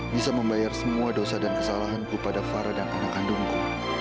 bisa membayar semua dosa dan kesalahanku pada fara dan anak kandungku